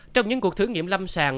trong những cuộc thử nghiệm lâm sàng